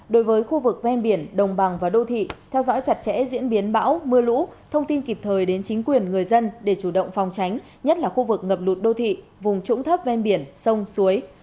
đối với khu vực ven biển đồng bằng và đô thị theo dõi chặt chẽ diễn biến bão mưa lũ thông tin kịp thời đến chính quyền người dân để chủ động phòng tránh nhất là khu vực ngập lụt đô thị vùng trũng thấp ven biển sông suối